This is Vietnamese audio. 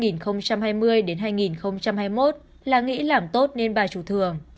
là nghĩ làm tốt nên bà trù thường